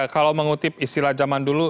kalau mengutip istilah zaman dulu